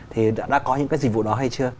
thì đã có những cái dịch vụ đó hay chưa